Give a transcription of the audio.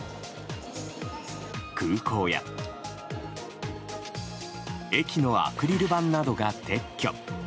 空港や駅のアクリル板などが撤去。